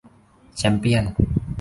แชมเปี้ยนส์